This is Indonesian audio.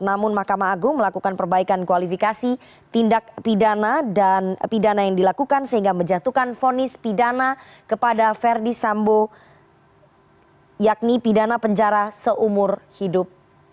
namun mahkamah agung melakukan perbaikan kualifikasi tindak pidana dan pidana yang dilakukan sehingga menjatuhkan fonis pidana kepada verdi sambo yakni pidana penjara seumur hidup